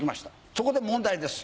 そこで問題です。